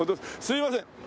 すいません。